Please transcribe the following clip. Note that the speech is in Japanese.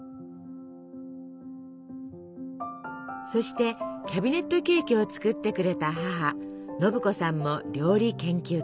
そしてキャビネットケーキを作ってくれた母信子さんも料理研究家。